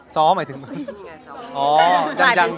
ซ้อหมายถึงมึง